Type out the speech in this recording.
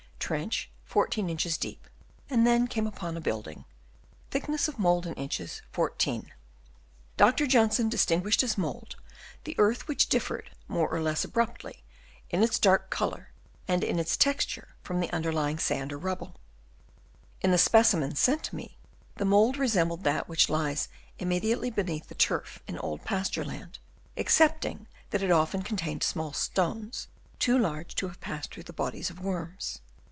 Trench 14 inches deep, and then came upon a building .......... 14 Dr. Johnson distinguished as mould the earth which differed, more or less abruptly, in Chap. IV. OF ANCIENT BUILDINGS. 227 its dark colour and in its texture from the underlying sand or rubble. In the specimens sent to me, the mould resembled that which lies immediately beneath the turf in old pasture land, excepting that it often contained small stones, too large to have passed through the bodies of worms.